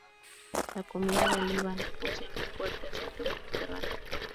La comida del Líbano posee un fuerte acento mediterráneo.